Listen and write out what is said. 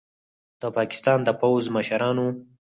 د پاکستان د پوځ مشرانو